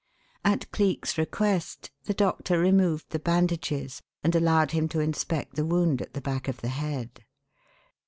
At Cleek's request the doctor removed the bandages and allowed him to inspect the wound at the back of the head.